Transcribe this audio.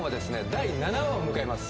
第７話を迎えます